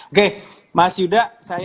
oke mas yuda